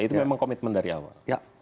itu memang komitmen dari awal